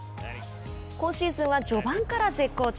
今シーズンは序盤から絶好調